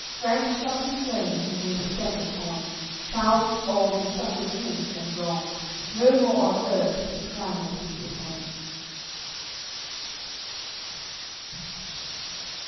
Franks shall be slain, whom we descend upon, Charles the old will suffer grief and wrong, No more on earth his crown will he put on."